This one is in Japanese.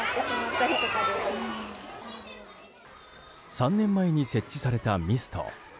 ３年前に設置されたミスト。